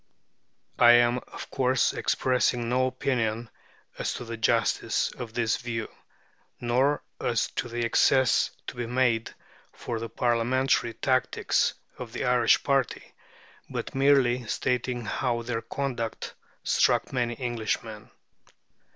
(I am, of course, expressing no opinion as to the justice of this view, nor as to the excuses to be made for the Parliamentary tactics of the Irish party, but merely stating how their conduct struck many Englishmen.)